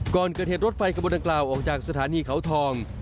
ก่อนเกิดเหตุรถไฟกระบวนดังกล่าวออกจากสถานีเขาทอง